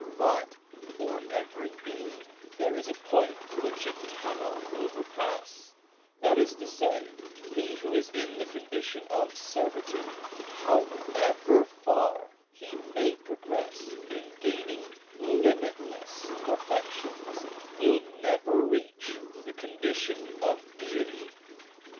But for every being there is a point which it cannot overpass; that is to say, he who is in the condition of servitude, however far he may progress in gaining limitless perfections, will never reach the condition of Deity.